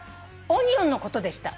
「オニオンのことでした。